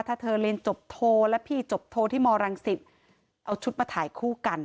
ถ้าเธอเรียนจบโทรและพี่จบโทรที่มรังสิตเอาชุดมาถ่ายคู่กัน